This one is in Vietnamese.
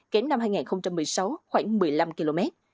kém năm hai nghìn một mươi sáu khoảng một mươi năm km